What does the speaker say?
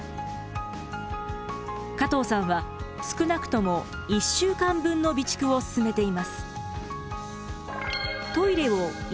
加藤さんは少なくとも１週間分の備蓄をすすめています。